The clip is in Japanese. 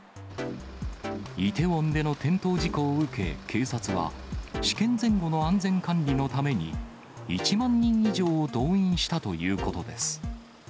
イテウォンでの転倒事故を受け、警察は試験前後の安全管理のために、１万人以上を動員したということです。